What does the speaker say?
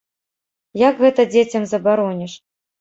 Як гэта дзецям забароніш?